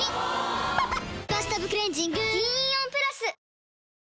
・おぉ「バスタブクレンジング」銀イオンプラス！